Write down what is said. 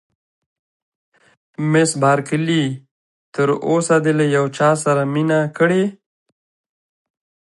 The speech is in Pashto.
مس بارکلي: تر اوسه دې له یو چا سره مینه کړې؟